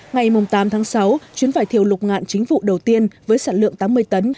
ngày tám tháng sáu chuyến vải thiều lục ngạn chính vụ đầu tiên với sản lượng tám mươi tấn